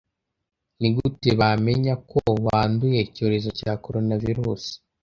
Nigute bamenya ko wanduye icyorezo cya coronavirus?